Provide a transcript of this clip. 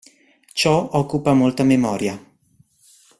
Ciò occupa molta memoria.